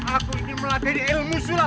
aku ingin melatih ilmu sulap